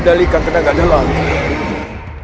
tarian yang berada di dasarku